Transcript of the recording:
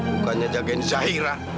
bukannya jagain zahira